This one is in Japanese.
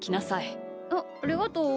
あっありがとう。